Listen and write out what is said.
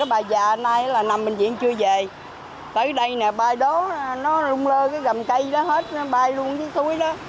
bà này là nằm bệnh viện chưa về tới đây nè bay đó nó rung lơ cái gầm cây đó hết nó bay luôn cái túi đó